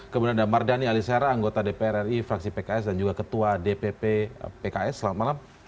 kemudian ada mardhani alisera anggota dpr ri fraksi pks dan juga ketua dpp pks selamat malam